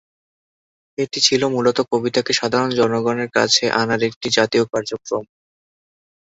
এটি ছিল মূলত কবিতাকে সাধারণ জনগণের কাছে আনার একটি জাতীয় কার্যক্রম।